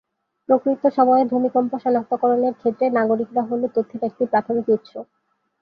প্রকৃত সময়ে ভূমিকম্প শনাক্তকরণের ক্ষেত্রে নাগরিকরা হলো তথ্যের একটি প্রাথমিক উৎস।